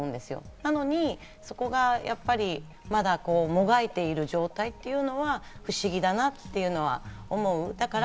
なのにそこがまだもがいている状態っていうのは不思議だなっていうのは思う。